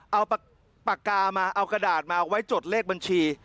เอากระดาษมาเอาไว้จดเลขบัญชี